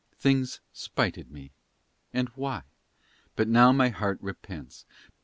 Things spited me, and why? But now my heart repents.